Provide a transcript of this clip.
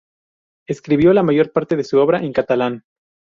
Escribió la mayor parte de su obra en catalán.